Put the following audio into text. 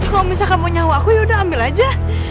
kalau misalkan mau nyawa aku yaudah ambil aja